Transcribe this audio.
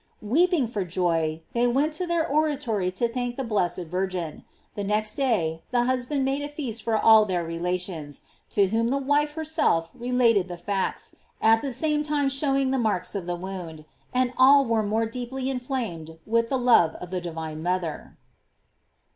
Weeping for joy, they went to their oratory to thank the blessed Vir gin. The next day the husband made a feast 126 GLORIES OF MARY. for all their relations, to whom the wife herself related the facts, at the same time showing the marks of the wound, and all were more deeply inflamed with the love of the divine mother.